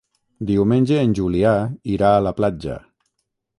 Diumenge en Julià irà a la platja.